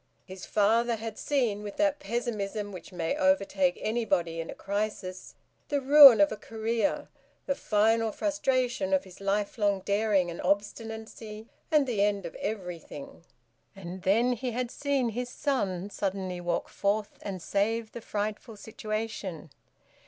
His father had seen, with that pessimism which may overtake anybody in a crisis, the ruin of a career, the final frustration of his lifelong daring and obstinacy, and the end of everything. And then he had seen his son suddenly walk forth and save the frightful situation.